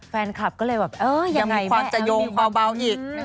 แฟนคลับก็เลยแบบเอ้ยยังไงแม่มีความใจโยงเบาอีก